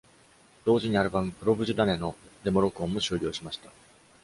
同時にアルバム「Probujdane」のデモ録音も終了しました。